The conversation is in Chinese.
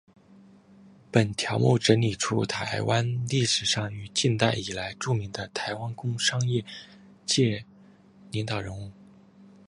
本条目整理出台湾历史上与近代以来著名的台湾工商业界领导人物。